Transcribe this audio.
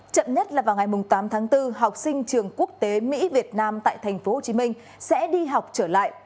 chậm nhất là vào ngày tám tháng bốn học sinh trường quốc tế mỹ việt nam tại tp hcm sẽ đi học trở lại